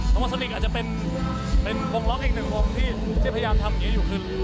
ประวัติสลิงอาจจะเป็นวงล็อกอีกหนึ่งวงที่พยายามทำอย่างนี้อยู่คือ